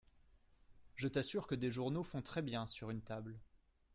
Je t’assure que des journaux font très bien sur une table.